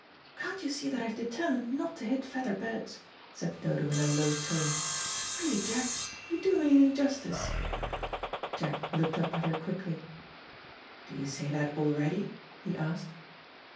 "Can't you see that I have determined not to hit feather beds," said Dodo in a low tone. "Really, Jack, you do me an injustice." Jack looked up at her quickly. "Do you say that already?" he asked.